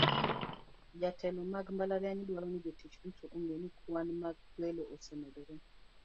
Jotelo mag mbalariany dwaro ni jotich duto ong'e ni kwan mag kwelo osemedore.